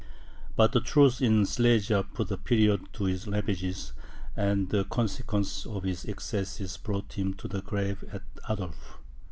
But the truce in Silesia put a period to his ravages, and the consequences of his excesses brought him to the grave at Adorf.